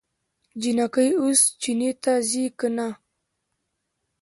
جينکۍ اوس چينې ته ځي که نه؟